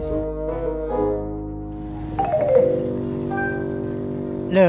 perutnya kan udah gendut